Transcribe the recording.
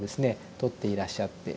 撮っていらっしゃって。